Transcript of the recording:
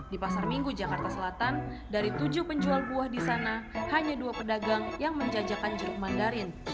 di pasar minggu jakarta selatan dari tujuh penjual buah di sana hanya dua pedagang yang menjajakan jeruk mandarin